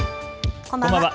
こんばんは。